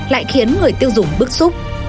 lại khiến người tiêu dùng bức xúc